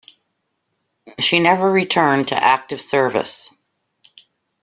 She never returned to active service.